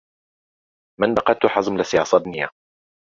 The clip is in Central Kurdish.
من بەقەد تۆ حەزم لە سیاسەت نییە.